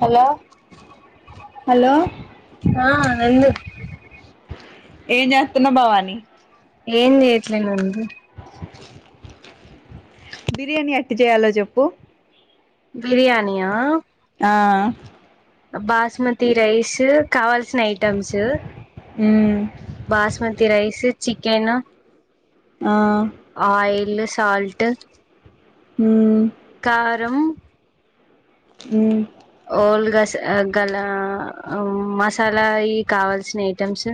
Hello hello ఆ ఉండు ఏం చేస్తున్నావ్ భవాని ఏం చేయట్లేదు అండి బిర్యానీ ఎట్టా చేయాలో చెప్పు బిర్యానీయ ఆ బాస్మతి రైస్ కావాల్సిన ఐటమ్స్ హు బాస్మతి రైస్ చికెన్ ఆ ఆయిల్ సాల్ట్ మ్మ్ కారం హు ఓల్ రస్ ఆ గలా మసాలా ఈ కావాల్సిన ఐటెమ్స్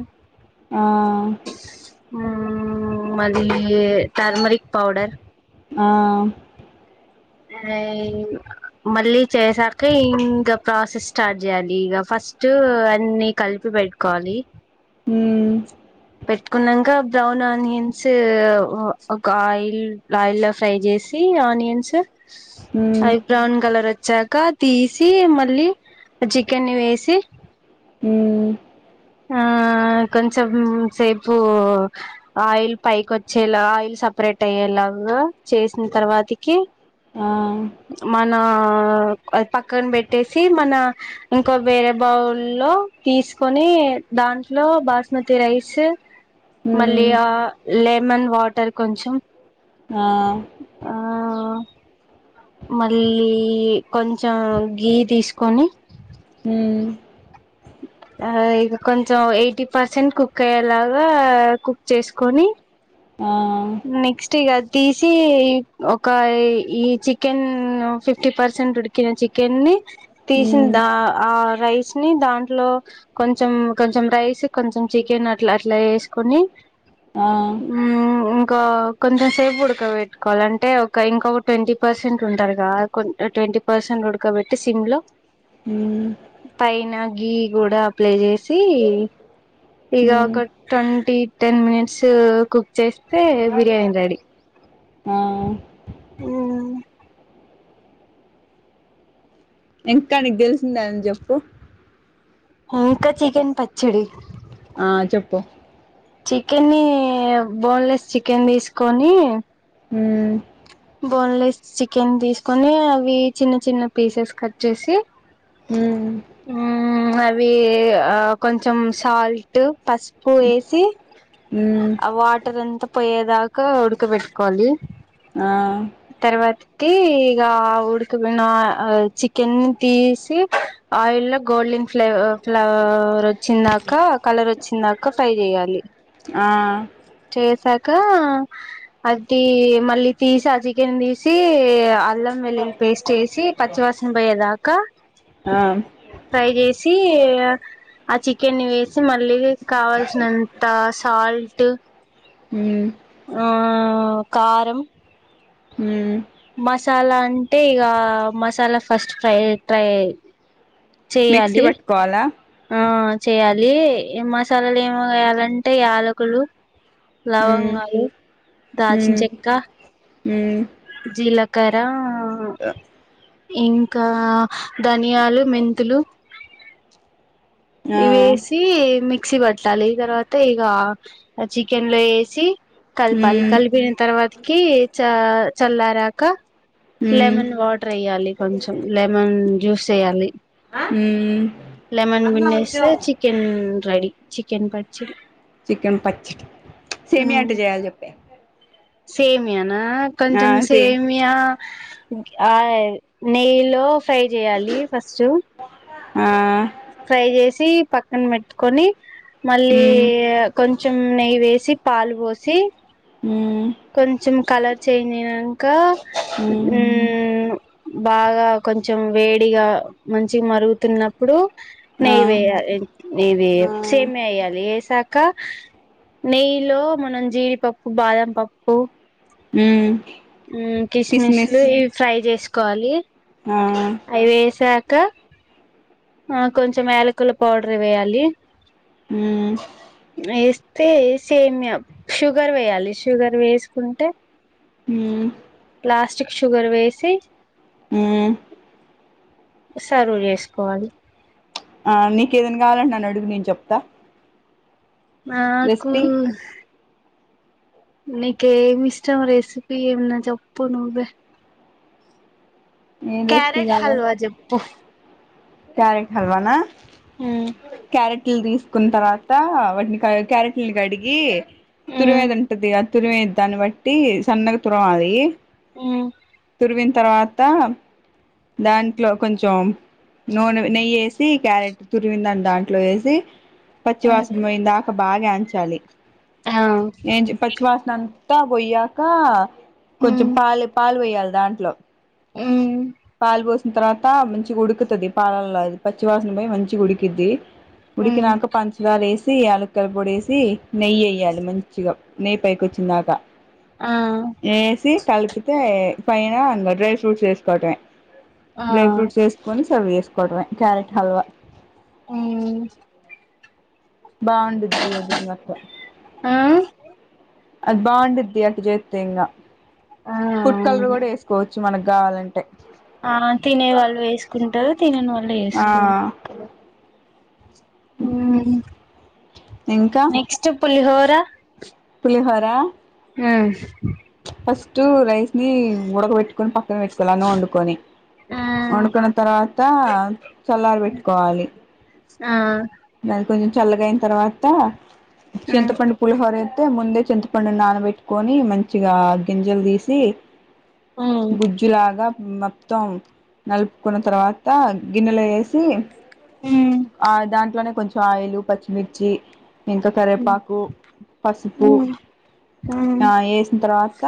ఆ మళ్ళీ టర్మరిక్ పౌడర్ ఆ అ మళ్ళీ చేసాకా ఇంకా ప్రాసెస్ స్టార్ట్ చేయాలి ఇక ఫస్ట్ అన్ని కలిపి పెట్టుకోవాలి. ఉ పెట్టుకున్నంక బ్రౌన్ ఆనియన్స్ ఒక ఆయిల్ ఆయిల్ లో ఫ్రై చేసి ఆనియన్స్ మ్మ్ అవి బ్రౌన్ కలర్ వ చ్చాక తీసి మళ్ళీ చికెన్ వేసి హు ఆ కొంచెం సేపు ఆయిల్ పైకి వచ్చేలా ఆయిల్ సపరేట్ అయ్యేలాగా చేసిన తర్వాతకి ఆ మన పక్కన పెట్టేసి మన ఇంకో వేరే బౌల్లో తీసుకొని దాంట్లో బాస్మతి రైస్ మళ్ళీ మ్మ్ ఆ లెమన్ వాటర్ కొంచెం ఆ ఆ మళ్ళీ కొంచెం గీ తీసుకొని మ్మ్ ఆ ఇక కొంచెం ఎయిటీ పర్సెంట్ కుక్ అయ్యేలాగా కుక్ చేసుకొని ఆ నెక్స్ట్ టీగా తీసి ఒక ఈ చికెన్ ఫిఫ్టీ పర్సెంట్ ఉడికిన చికెన్ ని మ్మ్ తీసిందా ఆ రైస్ స్ని దాంట్లో కొంచెం కొంచెం రైస్ కొంచెం చికెన్ అట్లా అట్లా ఏసుకొని ఆ ము ఉ కా కొంచెం సేపు ఉడక పెట్టుకోవాలి అంటే ఒక ఇంకొక ట్వంటీ పర్సెంట్ ఉంటది కద ట్వంటీ పర్సెంట్ ఉడకబెట్టి సిమ్ లో హు అయినా గీ కూడా అప్లై చేసి ఇక మ్మ్ ఒక ట్వంటీ టెన్ మినిట్స్ కుక్ చే స్తే బిర్యానీ రెడీ ఆ ఊ ఇంకా నీకు దెలిసిందన్ జెప్పు ఇంక చికెన్ పచ్చడి ఆ చెప్పు చికెన్ ని బోన్లెస్ చికెన్ తీస్కోని హ్మ్ బోన్లెస్ చికెన్ తీసుకొని అవి చిన్న చిన్న పీసెస్ కట్ చేసి, మ్మ్ మ్మ్ అవి ఆ కొంచెం సాల్ట్ పసుపు ఏసి మ్మ్ ఆ వాటర్రంత పొయ్యేదాకా ఉడక బెట్టుకోవాలి ఆ తర్వాత్కి ఇగ ఉడికి ఉన్న ఆ చికెన్ తీసి ఆయిల్ లో గోల్డెన్ ఫ్లే ఫ్లవర్ వచ్చిందాక కలర్ వచ్చిందాక ఫ్రై చెయ్యాలి. ఆ చేసాక అది మళ్ళీ తీసి ఆ చికెన్ తీసి అల్లం వెల్లుల్లి పేస్ట్ ఏసి పచ్చి వాసన బొయ్యేదాకా ఆ ఫ్రై చేసి ఆ చికెన్ని వేసి మళ్ళీ కావాల్సినంత సాల్ట్ మ్మ్ హ్మ్ కారం హ్మ్ మసాలా అంటే ఇగ masala first fry try mixie చేయాలి బట్టుకోవాలా ఆ చెయ్యాలి ఈ మసాలాలు ఏమి వేయాలంటే యాలకులు హ్మ్ లవంగాలు దాచిన హ్మ్ చెక్క హ్మ్ జీలకర్ర ఇంకా ధనియాలు, మెంతులు ఆ ఇవేసి మిక్సీ బట్టాలి తర్వాత ఇగ చికెన్ లో ఏసి కల్పాలి, హ్మ్ కలిపిన తర్వాత్కి చ చల్లారాక హ్మ్ లెమన్ వాటర్ ఎయ్యాలి కొంచెం లెమన్ జ్యూస్ ఎయ్యాలి. హ్మ్ లెమన్ బిండేస్తే చికెన్ రెడీ చికెన్ పచ్చడి చికెన్ పచ్చడి సేమ్యా ఎట్ట జెయ్యాలి జెప్పే సేమ్యా నా కొంచం సేమ్యా ఆయ్ నెయ్యిలో ఫ్రై జెయ్యాలి ఫస్టు ఆ ఫ్రై చేసి పక్కన్ బెట్కొని మళ్ళీ హ్మ్ కొంచెం నెయ్యి వే సి పాలు బోసి హ్మ్ కొంచెం కలర్ చేంజ్ ఐనంక హ్మ్ హూ బాగా కొంచెం వేడిగా మంచిగ మరుగుతున్నప్పుడు ఆ నెయ్యి వేయా ఏ ఇది ఆ సేమ్యా వెయ్యాలి. వేసాక నెయ్యిలో మనం జీడిపప్పు, బాదం పప్పు ఓ మ్మ్ మ్మ్ కిస్మిస్ లు ఇవి ఫ్రై చేస్ క్వాలీ ఆ అయ్ వేసా ఇంకా ఆ కొంచెం యాలకుల పౌడర్ వెయ్యాలి, హ్మ్ ఏస్తే సేమ్యా షుగర్ వెయ్యాలి షుగర్ వేసుకుంటే హ్మ్ ప్లాస్టిక్ షుగర్ వేసి హ్మ్ సర్వ్ జేసుకోవాలి ఆ నీకేదన్ గావాలంటే నన్నడుగు నేను చెప్తా మాకు రెసిపీ నీకు ఏమి ఇష్టం రెసిపిి ఏమన్నా చెప్పు నువ్వే ఏం రెసిపీ క్యారెట్ కావాలి హల్వా జేప్పు క్యారెట్ హాల్వానా ఉమ్ క్యారెట్ లీ తీసుకున్న తర్వాత వాటిని క్యారెట్లను కడిగి ఉమ్ తురిమేదంటది ఆ తురిమే దాన్ని బట్టి సన్నగా తురమాలి హు తురిమిన తర్వాత దాంట్లో కొంచం థీ క్యారెట్ తురివిందాన్ని దాంట్లో వేసి ఉమ్ పచ్చవాసనా పోయిందాకా బాగాంచాలి ఆ ఎంజీ పచ్చివాస నంతా బోయ్యాక కొంచెం ఉమ్ పాల్ పాల్ పొయ్యాలి దాంట్లో ఉమ్ పల్ బోస్ తర్వాతా మంచిగా ఉడుకుతుది పాలలాది పచ్చి వాసన పోయి మంచిగా ఉడికిద్ది ఉమ్ ఉడికినాక పంచదార ఎసి యాల కుల పోడేసి నెయ్యి ఎయ్యాలి మంచిగా నెయ్యి పైకి వచ్చిందాక ఆ ఎసి కలిపితే పై న ఇంగ డ్రై ఫ్రూట్స్ ఎసుకోవటమే ఆ డ్రై ఫ్రూట్స్ ఏసుకొని సర్వ్ చేస్ సుకొవడమే క్యారెట్ హల్వా ఉమ్ బాగుండిది అది ఇంగ అట్ట ఆ అది బావుండిది అట్ట జెతె ఇంగా ఫుడ్ కలర్ ఆ కూడా వేసుకో చ్చు మనకు కావాలంటే ఆ తినే వాళ్లు వేసుకుంటారు తినని వాళ్లు ఆ వేసుకోరు కలర్ ఇంకా నెక్స్ట్ పులిహో ర పులిహోర మ్ ఫస్ట్ రైస్ ని ఉడకబెట్టుకొని పక్కన పెట్టుకోవాలి అన్నం వండుకొని వండుకున్న తర్వాత చల్లార పెట్టుకోవాలి ఆ దాని కొంచం చల్లగాయిన తర్వాత మ్మ్ చింతపండు పులిహోర తే ముందే చింతపండు నాన పెట్టుకొని మం చిగా గింజలు తీసి మ్మ్ గుజ్జులాగా మ మొత్తం నలుపుకున్న తర్వాత గిన్నెల ఏసి మ్మ్ అ దాంట్లోనే కొంచెం ఆయిలు పచ్చిమిర్చి ఇంకా కరివేపాకు పసుపు మ్మ్ మ్మ్ ఆ ఏ సిన తర్వాత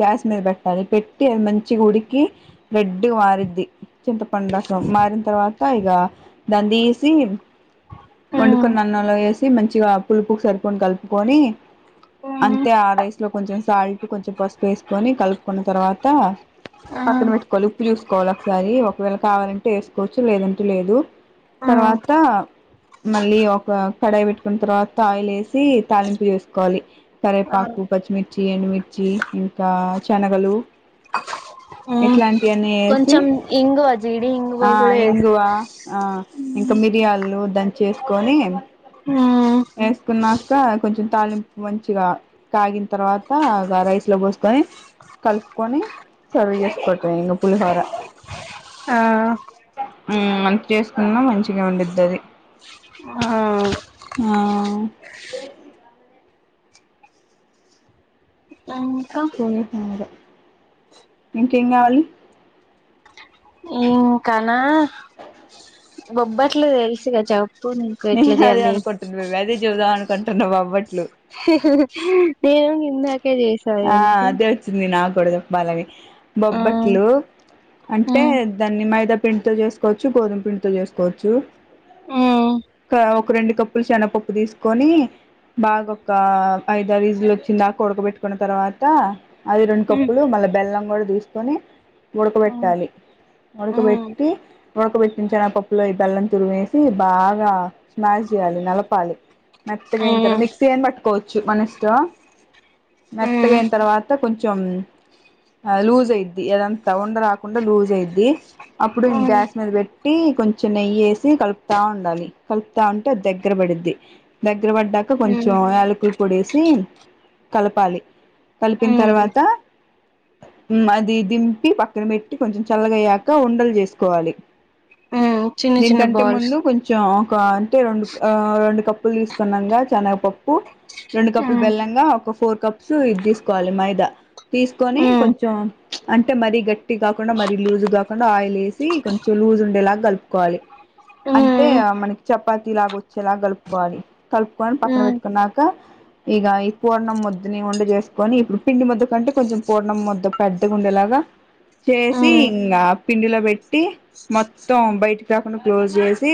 గ్యాస్ మీద పెట్టాలి పెట్టి అది మంచిగా ఉడికి రెడ్ గా మారిద్ది చింతపండు రసం మారిన తర్వా పైగా దాని దీసి వండుకున్న అన్నంలో ఏసు తీ మంచిగా పులుపుకు సరిపోని కలుపుకొని మ్మ్ అంతే ఆ రైస్ లో కొంచెం సాల్ట్ కొంచెం పసుపు వేసుకొని కలుపుకున్న తర్వాత ఆ పక్కన మటుకోలుప్పు చూసు కోవాలి ఒకసారి ఒకవేళ కావాలంటే వేసుకోవచ్చు లేదంటే లేదు ఆ తర్వాత మళ్ళీ ఒక కడాయి పెట్టుకున్న తర్వాత ఆయిల్ వేసి తాలింపు చేసుకోవాలి తరే ఆ పాకు పచ్చమి చి ఎండు మిర్చి ఇంకా శనగలు మ్మ్ ఎట్లాం కొంచెం ఇంగువ జీడి ఇంగువ ఆ కూడా వేస్ ఇంగువ ఆ ఇంగ మిరియాలు దంచేసుకొని మ్మ్ ఎస్ కున్నాక కొంచెం తాళింపు మంచిగా కాగిన తర్వాత త గ రైస్ లో పోసుకొని కలుపుకొని సర్వ్ చేసుకోట ఇంగ పులిహోర ఆ ఉ అంత చేసుకున్నా మంచిగా ఉందిది ఆ ఆ ఇంకా ఇంకేం కావాలి ఇకానా బొబ్బట్లు తెసిగా చావు నేను అదే అనుకుంటున్న అదే చెప్ధమా కొంటున్నాం అబ్బట్లు హేహే నేను నిన్ను ఆ అదే వచ్చింది నాకు డ బాలవి ఆ బొబ్బట్లు ఆ అంటే దాన్ని మైదా పిండితో చేసుకోవచ్చు గోధుమ పిండితో చేసుకోవచ్చు మ్మ్ ఒక రెండు కప్పులు శన్నపప్పు తీసుకొని బాగా ఒక ఐదారు విజిలు వచ్చింది కొ ఉడకబెట్టుకుని ట్టుకున్న తర్వాత అది రెండు కప్పులు మళ్ళా బెల్లం కూడా తీసుకొని ఆ ఉడకబెట్టాలి ఆ ఉడకబెట్టి ఉడకబెట్టిన చెనగపప్పులో ఈ బెల్లం తురిమేసి బాగా స్మాష్ చేయాలి నలపాలి మెత్తగా ఆ ఆ అయిన తర్వాత మిక్సీ అయని పట్టుకోవచ్చు మన ఇష్టం మెత్తగయిన తర్వాత కొంచెం లూజ్ అయిద్ది ఏదంతా ఉండ రాకుండా లూజ్ అయిద్ది అప్పుడు ఆ గ్యాస్ మీద పెట్టి కొంచెం నెయ్యిసి కలుపుతూ ఉండాలి కలుపుతూ ఉంటే దగ్గర పడిద్ది దగ్గర పడ్డాక కొంచెం యాలకులు పొడేసి కలపాలి ఆ కలిపిన తర్వాత అది దింపి పక్కన పెట్టి కొంచెం చల్లగయ్యాక ఉండలు చేసుకోవాలి ఆ చిన్న చిన్న దీనికంటే బాల్స్ ముందు కొంచెం ఒక అంటే రెండు రెండు కప్పులు తీసుకున్నాంగా శనగపప్పు రెండు ఆ కప్పులు బెల్లంగా ఒక ఫోర్ కప్ ఇది తీసుకోవాలి మైదా తీసుకొని ఆ కొంచెం అంటే మరీ గట్టి కాకుండా మరి లూజ్గా తకుండా ఆయిల్ వేసి కొంచెం లజ్ ఉండేలాగా కలుపుకోవాలి ఆ అంటే ఆ మనకి చపాతి లాగ వచ్చేలా కలుపు కోరి కలుపుకొని ఆ పక్కన పెట్టుకున్నాక ఇగ ఈ పూర్ణం ముద్ పిం ఉండ చేసుకొని ఇప్పుడు పిండి ముద్ద కంటే కొంచెం పూర్ణ ముద్ద పెద్దగా ఉండేలాగా ఆ చేసి ఇంగ పిండిలో పెట్టి మొత్తం బయటికి రాకుండా క్లోజ్ చేసి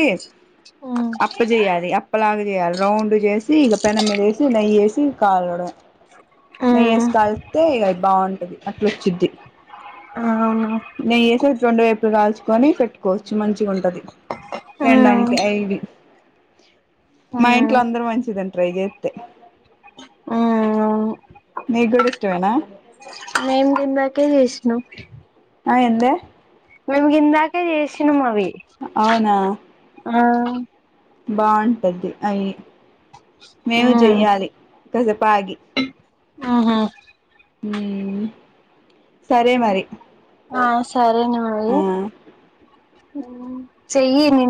అప్ప చేయాలి అప్పలాగా చేయాలి రౌండ్ చేసి ఇక పెనమిదేసి నెయ్యేసి కలవడమే. ఆ నెయ్యేసి కాల్తే ఇక బాగుంటది అట్లచిద్ది. అవును నెయ్యి ఎసి రెండు వైపుల కాల్చుకొని పెట్టుకోవచ్చు మంచిగా ఉంటది ఆ తినడానికి అవి ఆ మా ఇంట్లో అందరు మంచిగ్దింట్రు అవి జెతే. ఆ అవును నీ కూడ ఇస్తామెనా మేం ఇందాకే చేశ్నం. ఆ ఏందే మేం కిందాకే జేష్నం అవి. అవున ఆహ్ బాగుంటది అయ్ మేము ఉమ్ జెయ్యాలి కజబ్ ఉమ్ హు ఉమ్మ్ సరే మరీ ఆహ్ సరేనే మరి ఉమ్ చెయ్